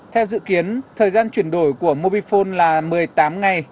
theo dự kiến thời gian chuyển đổi của mobifone là một mươi tám ngày